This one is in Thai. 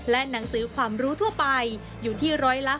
และหนังสือความรู้ทั่วไปอยู่ที่๑๓